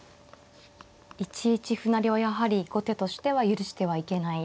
１一歩成はやはり後手としては許してはいけない。